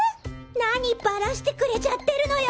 何バラしてくれちゃってるのよ！？